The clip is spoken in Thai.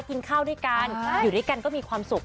กินข้าวด้วยกันอยู่ด้วยกันก็มีความสุข